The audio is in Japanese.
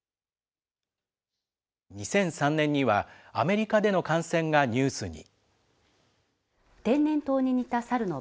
２００３年には、アメリカでの感染がニュースに。